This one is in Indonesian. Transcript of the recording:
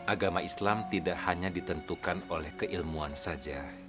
agama islam tidak hanya ditentukan oleh keilmuan saja